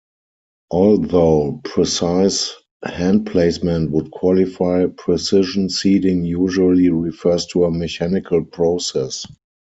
Although precise hand placement would qualify, precision seeding usually refers to a mechanical process.